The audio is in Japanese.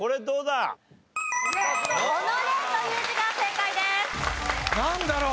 どうだ？